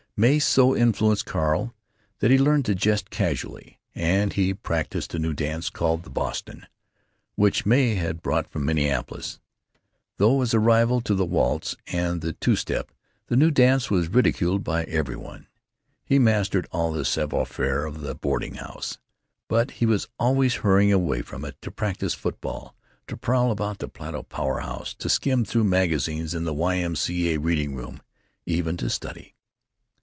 Mae so influenced Carl that he learned to jest casually; and he practised a new dance, called the "Boston," which Mae had brought from Minneapolis, though as a rival to the waltz and two step the new dance was ridiculed by every one. He mastered all the savoir faire of the boarding house. But he was always hurrying away from it to practise football, to prowl about the Plato power house, to skim through magazines in the Y. M. C. A. reading room, even to study.